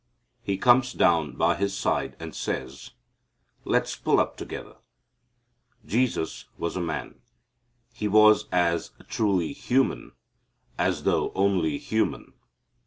He comes down by his side and says, "Let's pull up together." Jesus was a man. He was as truly human as though only human.